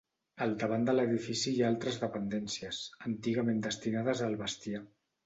Al davant de l’edifici hi ha altres dependències, antigament destinades al bestiar.